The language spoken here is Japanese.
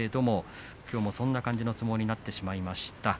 きょうもそんな感じの相撲になってしまいました。